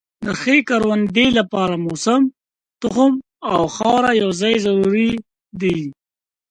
د ښې کروندې لپاره موسم، تخم او خاوره یو ځای ضروري دي.